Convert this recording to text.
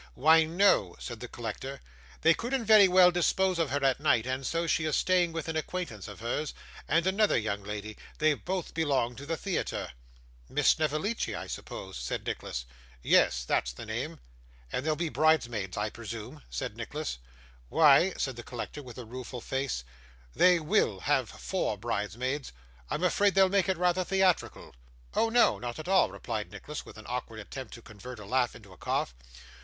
'Why, no,' said the collector; 'they couldn't very well dispose of her at night, and so she is staying with an acquaintance of hers, and another young lady; they both belong to the theatre.' 'Miss Snevellicci, I suppose?' said Nicholas. 'Yes, that's the name.' 'And they'll be bridesmaids, I presume?' said Nicholas. 'Why,' said the collector, with a rueful face, 'they WILL have four bridesmaids; I'm afraid they'll make it rather theatrical.' 'Oh no, not at all,' replied Nicholas, with an awkward attempt to convert a laugh into a cough.